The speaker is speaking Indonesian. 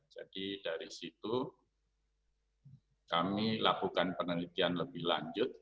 jadi dari situ kami lakukan penelitian lebih lanjut